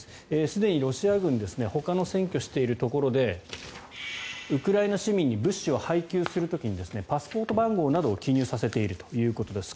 すでにロシア軍ほかの占拠しているところでウクライナ市民に物資を配給する時にパスポート番号などを記入させているということです。